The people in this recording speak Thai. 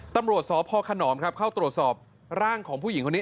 ตำรวจสพขนอมครับเข้าตรวจสอบร่างของผู้หญิงคนนี้